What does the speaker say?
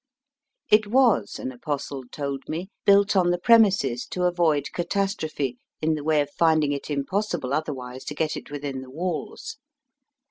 It was, an apostle told me, built on the premises to avoid catastrophe in the way of finding it impossible otherwise to get it within the walls.